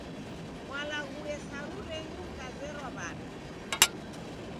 Mwalaghue saru renyu mkazerwa w'ada?